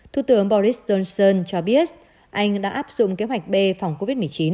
thu tưởng boris johnson cho biết anh đã áp dụng kế hoạch b phòng covid một mươi chín